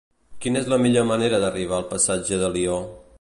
Quina és la millor manera d'arribar al passatge d'Alió?